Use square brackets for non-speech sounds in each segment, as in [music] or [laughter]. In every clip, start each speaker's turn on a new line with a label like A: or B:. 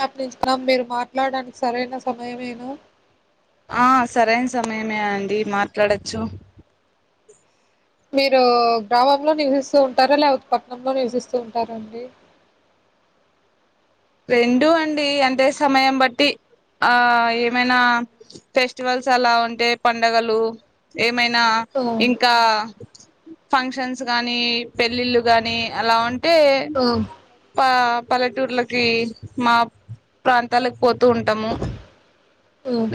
A: నా [unintelligible] కమ్ మీరు మాట్లాడడానికి సరైన సమయమేను
B: ఆ సరైన సమయమే అండి మాట్లాడచ్చు
A: మీరు గ్రామంలో నివసిస్తూ ఉంటారా లేకపోతే పట్నంలో నివసిస్తూ ఉంటారా అండి
B: రెండు అండి అంతే సమయం బట్టి ఆ నేనా ఫెస్ట్ ఫస్టివల్స్ అలా ఉంటే పండగలు ఎ ఏమైనా
A: ఆ
B: ఇంకా ఫంక్షన్స్ గాని పెళ్ళిళ్ళు గాని అలా ఉం టే
A: ఆ ఆ
B: పా పలెటూర్ల కీ మా ప్రాంతాలక్ పోతూ ఉంటాము.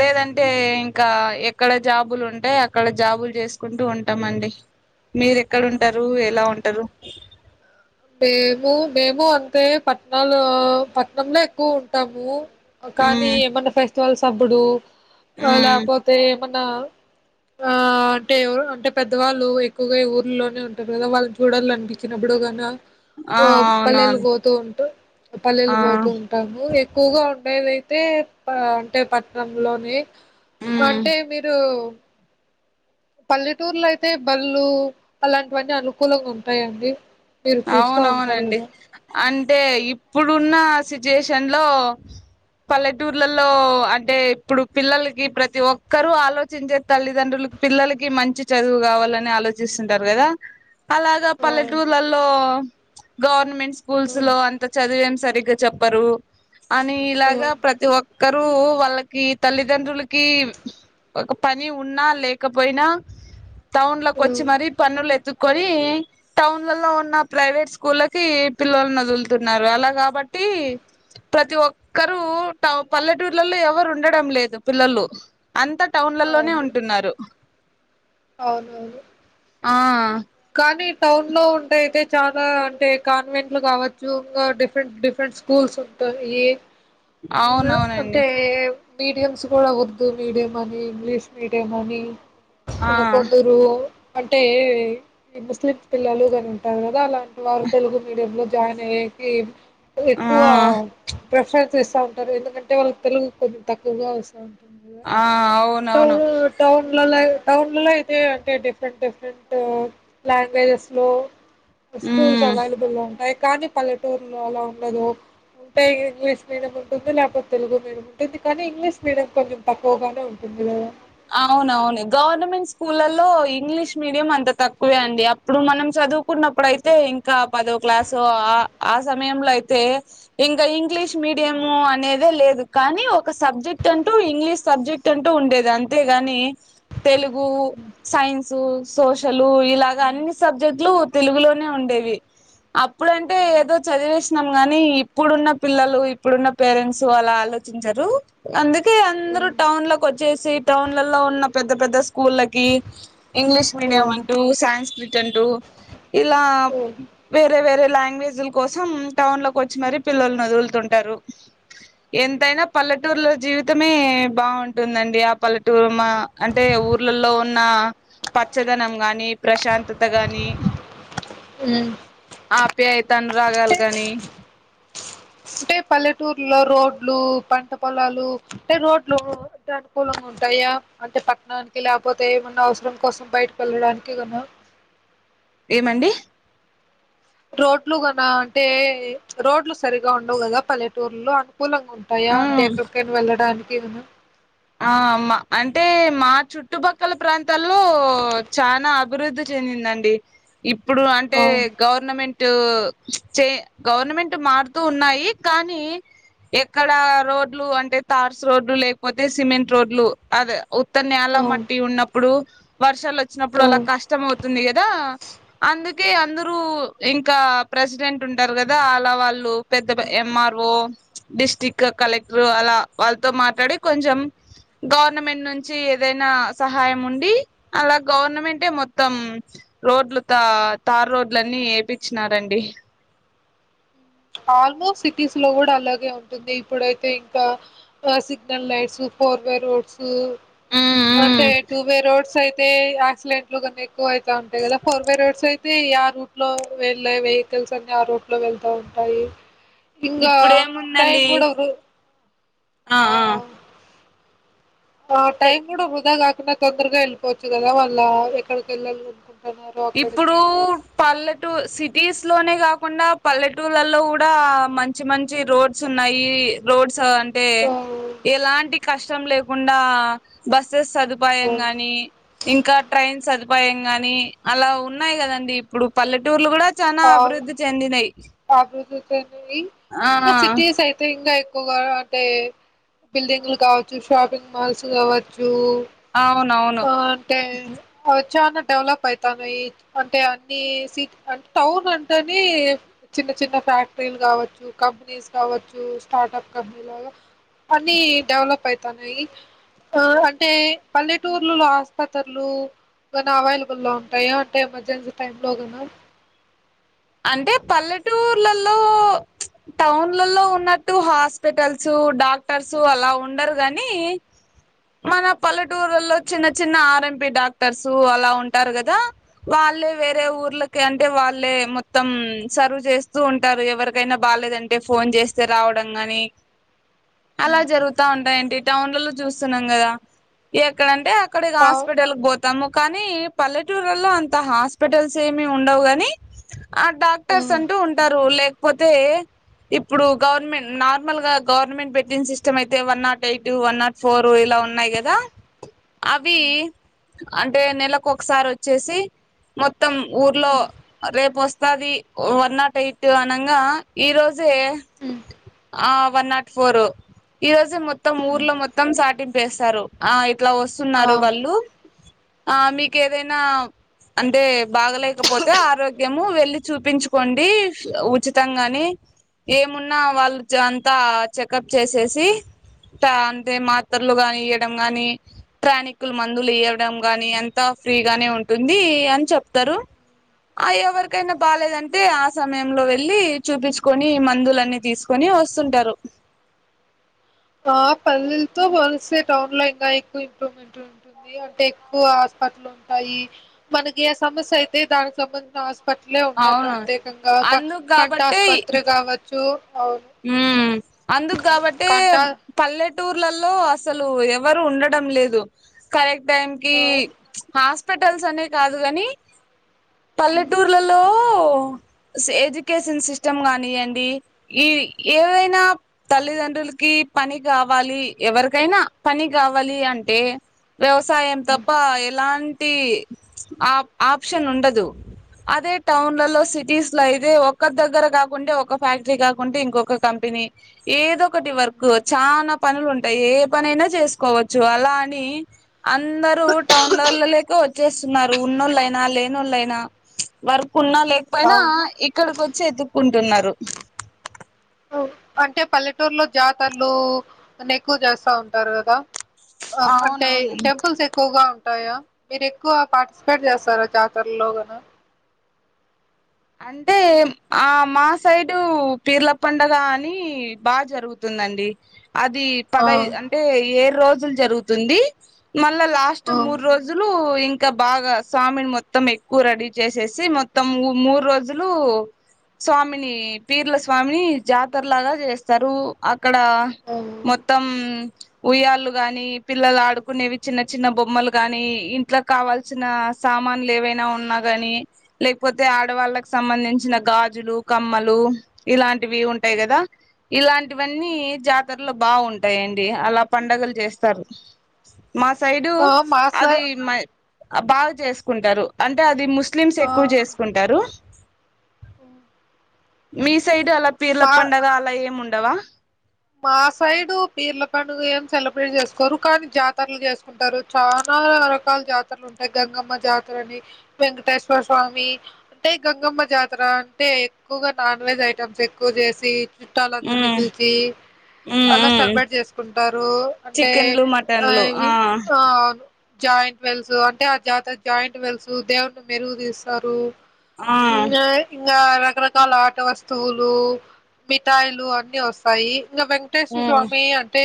B: లేదంటే ఇంకా ఎక్కడ జాబులు ఉంటే అక్కడ జాబులు చేస్కుంటూ ఉంటా మండి. మీరెక్కడ ఉంటరు ఎలా ఉంటరు.
A: మేము మేమూ అంతే పట్నాలో పట్నంలో ఎక్కువ ఉంటాము కానీ
B: ఉమ్
A: ఏమన్నా ఫెస్ స్టివల్స్ అబ్బుడు వా
B: ఉమ్
A: లేపోతే మొన్న ఆ అంటే అంటే పెద్దవాళ్ళు ఎక్కువగా ఊర్లోనే ఉంటారు కదా వాళ్ళని చూడాల అనిపించినప్పుడు కన్నా
B: ఆ
A: పో పల్లెలు
B: అవునవును
A: పోతూ ఉంటూ పల్లెలు
B: ఆ
A: పోతూ ఉంటాము ఎక్కువగా ఉండేదైతే అంటే పట్టణంలోని
B: ఉమ్
A: అంటే మీరు పల్లెటూర్లో అయితే బళ్ళు అలాంటివన్నీ అనుకూలంగా ఉంటాయండి. మీరు చూస్తా ఉంటారు
B: అవునవునండి
A: కదా
B: అం అంటే ఇప్పుడున్న సిచ్యుయేషన్లో పల్లెటూర్లలో అంటే ఇప్పుడు పిల్లలకి ప్రతి ఒక్కరు ఆలోచించే తల్లిదండ్రులు పిల్లలకి మంచి చదువు కావాలని ఆలోచిస్తుంటారు కదా అలాగా
A: ఆ
B: పల్లెటూర్లలో ఆ గవర్నమెంట్
A: ఆ
B: స్కూల్స్ లో అంత చదివేం సరిగ్గా చెప్పరు అని
A: ఆ
B: ఇలాగ ప్రతి ఒక్ క్కరూ వాళ్ళకి తల్లిదండ్రులకి ఒక పని ఉన్నా లేకపోయినా టౌన్లకచ్చి మరి పనులెతు కొని టౌన్లల్లో నా ప్రైవేట్ స్కూళ్ళకి పిళ్ళోళ్ళను వదులుతున్నారు అలా కాబట్టి ప్రతి ఒక్కరు టౌ పల్లెటూళ్లలో ఎవరు ఉండడం లేదు పిల్లలు అంతా
A: ఆ
B: టౌన్లలోనే
A: అవును
B: ఉంటున్నారు
A: అవునవును
B: ఆ
A: కానీ టౌన్ లో ఉంటే అయితే చాలా అంటే కాన్వెంట్లు కావచ్చు. ఇంకా డిఫరెంట్ డిఫరెంట్ స్కూల్స్ ఉంటాయి. ఇంగేవ్
B: అవునవునండి
A: అంటేవ్ మీడియమ్స్ కూడా ఉర్దు మీడియం అని ఇంగ్లీష్ మీడియం అని
B: ఆ
A: ఓ కొందరు అంటే ఈ ముస్లిం పిల్లలు గాని ఉంటారు కదా అలాన్ ఇట్లార్గ్ తెలుగు మీడియంలో జానవేకిమ్ టే
B: ఆ
A: ఎక్కువ ప్చ్ ప్రిఫరెన్స్ ఇస్తా ఉంటారు. ఎందుకంటే వాళ్ళకి తెలుగు కొంచెం తక్కువగా వస్సోం స్తుంది ఇగ
B: ఆ అవునవును
A: టౌన్ టౌన్లలో పె టౌన్ లల్లో అయితే అంటే డిఫరెంట్ డిఫరెంట్ గా లాంగ్వేజెస్ లో స్కూల్స్
B: ఉమ్
A: అవైలేబల్గ్ ఉంట్ కానీ పల్లెటూరులో అలా ఉండదు. ఉంటే ఇంగ్లీష్ మీడియం ఉంటుంది. లేకపోతే తెలుగు మీడియం ఉంటుంది. కానీ ఇంగ్లీష్ మీడియం కొంచెం తక్కువగానే ఉంటుంది కదా.
B: అవునవును గవర్నమెంట్ స్కూళ్ళలో ఇంగ్లీష్ మీడియం అంత తక్కువే అండి. అప్పుడు మనం చదువుకున్నప్పుడు అయితే ఇంకా పదో క్లాసు ఆ ఆ సమయంలో అయితే. ఇంకా ఇంగ్లీష్ మీడియంము అనేదే లేదు. కానీ ఒక సబ్జెక్ట్ అంటూ ఇంగ్లీష్ సబ్జెక్ట్ అంటూ ఉండేది. అంత్ అంతేగాని తెలుగు, సైన్సు, సోషలు ఇలాగ అన్ని సబ్జెక్ట్లు తెలుగులోనే ఉండేవి. అప్పుడంటే ఏదో చదివేసినాం గాని. ఇప్పుడున్న పిల్లలు ఇప్పుడున్న పేరెంట్స్ అలా ఆలోచించారు అందుకే అందరుూ టౌన్ లోకి వచ్చేసి. టౌన్లలో ఉన్న పెద్ద పెద్ద స్కూళ్ళకి ఇంగ్లీష్ మీడియం అంటూ సాన్స్క్రి ట్ అంటూ ఇలా వేరే వేరే లాంగ్వేజ్ల కోసం టౌన్ లోకి వచ్చి మరి పిల్లల్ను వదులుతుంటారు. ఎంతైనా పల్లెటూరుల జీవితమే బాగుంటుందండి. అప్ పల్లెటూరుమ అంటే ఊర్లలో ఉన్న పచ్చదనం గాని ప్రశాంతత గాని
A: మ్
B: ఆపే అయితను రాగాలు కాని
A: అంటే పల్లెటూర్లో రోడ్లు పంట పొలాలు, అంటే రోడ్లు అ అనుకూలంగా ఉంటాయా, అంటే పక్కనానికి లేకపోతే ఏమన్నా అవసరం కోసం బయటకి వెళ్ళడానికిన్నా
B: ఏమండి
A: రోడ్లు కన అంటే రోడ్లు సరిగా ఉండవు కదా పల్లెటూర్లో అ పూలంగా ఉంటాయా
B: ఆ
A: అంటే ఎక్కడికైనా వెళ్ళడా కే ఉన్నా
B: ఆ మా అంటే మా చుట్టుపక్కల ప్రాంతాల్లో చానా అభివృద్ధి చెందిందండి. ఇప్పుడు అంటే
A: అవును
B: గవర్నమెంట్ ట్ చే గవర్నమెంట్ మారుతూ ఉన్నాయి. కానీ ఎక్కడ రోడ్లు అంటే తార్స్ రోడ్లు లేకపోత్ టే సిమెంట్ రోడ్లు అద ఉత్త నేల
A: అవును
B: మట్టి ఉన్నప్పుడు షాల్ వచ్చినప్పుడు వలా
A: అవును
B: కష్టం అవుతుంది గదా. అందుక్ కే అందరు. ఇంకా ప్రెసిడెంట్ ఉంటారు కదా. అలా వాళ్ళు పెద్ద M. R. O, district collector అలా వాళ్ళతో మాట్లాడి. కొంచెం గవర్నమెంట్ నుంచి ఏదైనా సహాయం ఉండి. అలా గవర్నమెంటే మొత్తం రోడ్లు త తారు రోడ్లన్నీ ఎపిచ్చినారంండి.
A: ఆల్మోస్ట్ సిటీస్ లో కూడా అలాగే ఉంటుంది. ఇప్పుడైతే ఇంకా signal lights four way roads కు
B: ఉమ్
A: అంటే
B: ఉమ్
A: టూ వే రోడ్స్ అయిత్ తే ఆ స్లేట్ కోనేక్ ఎక్కువైత ఉంటాయి కదా. ఫోర్ వే రోడ్స్ అయితే ఇయా రూట్ లో వెళ్ళే వెహికల్స్ అన్ని ఆ రూట్ లో వెళ్తా ఉం టాయి ఇంగా టైం
B: ఇప్పుడేముందండి
A: గూడా రో
B: ఆ ఆ
A: అహ్ ఆ
B: తే
A: టైం గూడా వృధా గాక్ తొందర్ తొందరగా ఎళ్పోవచ్చు కదా వాళ్ళ ఎక్కడక్ ఎళ్ళాలో
B: ఇప్పుడూ పల్లెటు సిటీస్ లోనే కాకుండా పల్లెటూళ్లలో కూడా మంచి మంచి రోడ్స్ ఉన్నాయి రోడ్స్ స అంటే
A: ఆ
B: ఎలాంటి కష్ట ం లేకుండా బస్ బస్సెస్ సదుపాయం గానీ ఇంకా ట్రయిన్ సదుపాయం గాని భయంగానీ అలా ఉన్నాయి కదండి ఇప్పుడు పల్లెటూర్లు కూడా చనా అభివృద్ధి చెందినాయి
A: ఆగృతుతేన్ గోయింగ్ ఇంగ సిటీీస్ అయితే ఇంగా ఎక్ ఎక్కొగా అంతే బిల్డింగ్లు కావచ్చు, షాపింగ్ మాల్స్ కావచ్చు.
B: అవునవును
A: అ అంటే అద్ చాలా డెవలప్ అయితన్నాయి. అంటే అన్ని సిట్ అం టౌన్లంటేనీ చిన్న చిన్న ఫ్యాక్టరీల్ కావచ్చు కంపెనీస్ కావచ్చు స్టార్టఅప్ కంపెనీలగ. అన్ని డెవలప్ అయితన్నై ఆ అంటే పల్లె. టర్లులో ఆస్పతర్లు వెన్ అవైలబుల్ ఉంటాయా అంటే ఎమర్జెన్సీ టైంలో నైనా
B: అంటే పల్లెటూర్లలో టౌన్లలో ఉన్నట్టు హాస్పిటల్స్ డాక్టర్స్ అలా ఉండరు గానీ. మన పల్లెటూర్లలో చిన్న చిన్న ఆర్ఎంపి డాక్టర్స్ అలా ఉంటారు కదా. వాళ్ళే వేరే ఊర్లకి అంటే వాళ్ళే మొత్. మొత్తం సర్వ్ చేస్తూ ఉంటారు ఎవరికైనా బలేదంటే ఫోన్ చేస్తే రావడం గానీ. అలా జరుగుతా ఉంటాయి అండి టౌన్లలో చూస్తున్నాం కదా ఎక్కడంటే అక్. కడేగ్
A: ఆ
B: హాస్పిటల్క్ బోత్ తము కానీ పల్లెటూరులో అంత హాస్పిటల్స్ ఏమి ఉండవు గని ఆ డాక్టర్స్
A: హ్మ్
B: అంటూ ఉంటారు లేక్ కపోతే ఇప్పుడు గవర్నమెంట్ నార్మల్ గా గవర్నమెంట్ బెడ్టింగ్ సిస్టమ్ అయితే one not eight one not four ఇలా ఉన్నాయి కదా అవి అంటే నెలకు ఒకసారి వచ్చేసి మొత్తం ఊర్లో
A: హ్మ్
B: రేపు వస్తది వన్ నాట్ ఎయిట్ అనంగా ఈ రోజే
A: హ్మ్
B: ఆ వన్ నాట్ ఫోర్
A: హ్మ్
B: అట్లా
A: ఆ
B: వస్తున్నారు వాళ్ళు ఆ మీక ఏదైనా అంటే బాగలేకపోతే ఆరోగ్య ఆగ్యము వెళ్ళి చూపించుకోండి ఉచిత గాని ఏమున్నా వాళ్ళు అంతా చెకప్ చేసేసి అంటే మాతర్లు ని ఇయడం గాని ప్ర్రాణికులు మందులు ఇయడం గాని ఎంత ఫ్రీగానే ఉంటుంది అని చెప్తారు ఆ ఎవరికైనా బాలేదంటే ఆ సమయంలో వెళ్ళి చూపించుకొని మందులన్నీ తీసుకొని వస్తుంటారు
A: ఆ పల్లిలతో వలిస్తే టౌన్ లో ఇంకా ఎక్కువ ఇంప్రూవ్మెంట్ ఉంటుంది అంటే ఎక్కువ హస్పత్రలు ఉంటాయి మనకి ఏ సమస్య అయితే దానికి సంబంధించిన పట్లే ఉంటాయి
B: అవును
A: ప్రత్యేకంగా
B: అందుకు
A: కంట
B: కాబట్టే
A: ఆస్పత్రి కావచ్చు అవు
B: ఉమ్ అందుకు కాబట్టే పల్లె టూర్లలో అసలు ఎవరు ఉండడం లేదు కరెక్ట్ టైమ్కి
A: ఆ
B: హ హాస్పిటల్స్ అని కాదు కాని
A: హ్మ్
B: పల్లెటూర్లలో [inaudible] ఎడ్యుకేషన్ సిస్టమ్ కాగానీయండి ఈ
A: హ్మ్
B: ఏవైనా తల్లిదండ్రులకి పని కావాలి ఎవరికైనా పని కావాలి అంటే వ్యవసాయం
A: హ్మ్
B: తప్ప ఏలాంటి ఆప్ ఆప్షన్ ఉండదు అదే టౌన్లలో
A: హ్మ్
B: సిటీస్ లో అయితే ఒ ఒక్క ల దగ్గర కాకుంటే ఒక ఫ్యాక్టరీ కాక ఉంటే ఇంకొక కంపెనీ ఏదొ ఒకటి వర్క్ చానా పనులు ఉంటాయి. ఏ పనైనా చేసుకోవచ్చు. అలా అని అందురు టౌన్ లెలకు వచ్చేస్తున్నారు. ఉన్నోళ్ళయినా లేనోళ్ళయినా ప్చ్ వర్క్. ఉన్నా లేకపోయినా
A: అవును
B: ఇక్కడికి వచ్ వచ్చి వెతుక్కుంటున్నారు.
A: అవ్ అంటే పల్లెటూరులో జాతరలు కొన్ని ఎక్కువ చేస్తా ఉంటారు కదా. ఆహ్ అంటే
B: అవునవును
A: టెంపుల్స్ ఎక్కువగా ఉ టయా మీరు ఎక్కువ పార్టిసిపేట్ చేస్తారా జాతరలోన
B: అంటే ఆ మా సైడు పీర్ల పండగ అని బాగా జరుగుతుందండి అది
A: ఆ
B: పదై అంటే ఏరు రోజు జరుగుతుంది మళ్ళా లాస్ట్
A: ఆ
B: మూడు రోజులు ఇం ఇంకా బాగా స్వామిని మొత్తం ఎక్కువ రెడీ చేసేసి మొత్తం మూ రోజులు స్వామిని పీర్ల స్వామిని జాతరలాగా చేస్తారు అ ఇక్కడ
A: ఆ
B: మొత్తం ఉయ్యాళ్ళు గాని పిల్లలు ఆడుకునేవి. చిన్న చిన్న బొమ్మలు గాని ఇంట్లో కావాల్సిన సామాన్లు ఏవైనా ఉన్నా గాని లేకపోతే. వాళ్ళకి సంబంధించిన గాజులు కమ్మలు ఇలాంట్ ఉంటాయి కదా ఇలాంటివన్నీ జాతరలో బాగుంటా అంతేలెండి అలా పండగలు చేస్తారు. మా సైడు
A: ఆ మా సై
B: అది మై బాగా చేసుకుంటారు అంటే అది ముస్తు ముస్లిమ్స్ ఎక్కువ చేసుకుంట్
A: ఉమ్
B: మీస్ సైడ్ అలా పీర్ల పండగ అలా ఏముండ డవా.
A: మా సైడు పీర్ల పండుగ ఏం సెలబ్రేట్ చేసుకోరు. కానీ జాతరలు చేసుకుంటారు. చాలా రకాల జాతరులు ఉంటాయి. గంగమ్మ జాతరని వెంకటేశ్వర స్వామి అంటే గంగమ్మ జాతర అంటే ఎక్కువగా నాన్ వెజ్ ఐటమ్స్ ఎక్కువ చేసి. చుట్టాలందరినీ
B: ఉమ్
A: పిలిచి.
B: ఉమ్
A: అలా
B: ఉమ్
A: సెలబ్రేట్ చేసుకుంటారు అంటే
B: చికెన్లు
A: ఆహ్
B: మటన్లు
A: ఇవి
B: ఆ
A: ఆహ్ అవును. జాయింట్ వెల్స్ అంటే ఆహ్ జాతర జాయింట్ వెల్స్ దేవుని మెరుగు తీస్తారు.
B: ఆహ్.
A: ఇంకా రకరకాల ఆట వస్తువులు మిఠాయిలు అన్ని వస్తాయి. ఇంగా వెంకటేశ్వర
B: ఉమ్
A: స్వామి అంటే.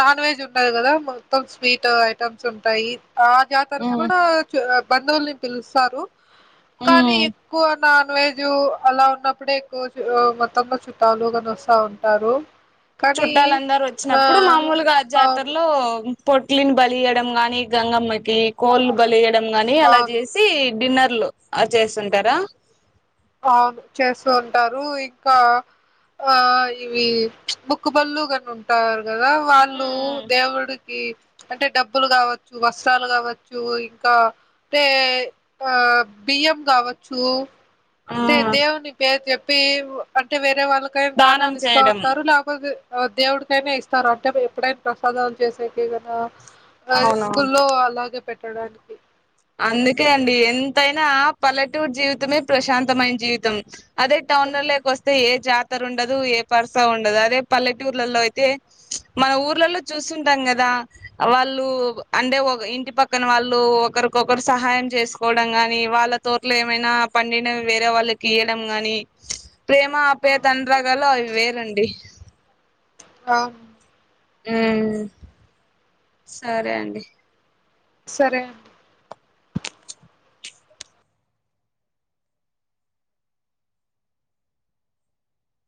A: నాన్ వెజ్ ఉండదు కదా మొత్తం స్వీట్ ఐటమ్స్ ఉంటాయి. ఆ జాతరకు
B: ఉమ్
A: కూడా చ. బంధువుల్ని పిలుస్తారు. కానీ
B: ఉమ్
A: ఎక్కువ. నాన్ వెజ్ అలా ఉన్నప్పుడే ఎక్కువ మొత్తంలో చుట్టాలుగాని వస్తా ఉంటారు. కానీ
B: చుట్టాలందరు
A: ఆ
B: వచ్చినప్పుడు మామూలుగా
A: అవును
B: జాతరలో. పొట్లిని బలియడం గానీ గంగమ్మ. కోళ్లు బలియడం గాని అలా
A: అవును
B: చేసి డిన్నర్. ఆహ్ చేస్తుంటారా.
A: ఆవును చేస్తూ ఉంటారు ఇంకా ఆహ్ ఇవి మొక్కుబళ్లు గాని ఉంటారు. కదా వాళ్ళు దేవుడీ. అంటే డబ్బులు కావచ్చు వస్త్రాలు కావచ్చు ఇంకా అంటే ఆహ్ బియ్యం కావచ్చు.
B: ఆ
A: అంటె దేవుని పేరూ చెప్. పివ్ అంటే వేరు. వేరే వాళ్ళకేం
B: దానం
A: దానాలు ఇస్తా
B: చేయడం
A: ఉంటారు లేకపోతే. దేవుడికైనా ఇస్తారు అంటే ఎప్పుడైనా ప్రసాదాలు చేసాకె గదా. అదే
B: అవునవును
A: గుళ్ళో అలాగే. పెట్టడానికి.
B: అందుకే అండి ఎంతైనా పల్లెటూరు జీవితమే ప్రశాంతమైన జీవితం అదే టౌన్ లళ్ళకి వస్తే ఏ జాతర ఉండదు ఏ పర్సా ఉండదు అదే పల్లెటూర్లలో అయితే మన ఊర్లలో చూస్తుంటాం కదా వాళ్ళు అంటే ఇంటి పక్కన వాళ్ళు ఒకరు. ఒక్కొక్కరు సహాయం చేసుకోవడం గాని వాళ్ళ తోటలో ఏమైనా పండినవి వేరే వాళ్ళకి ఇయడం గాని ప్రేమ ఆప్యాయత అనురాగాలు అవి వేరండి.
A: ఆ.
B: ఉమ్. సరే అండి.
A: సరే అండి.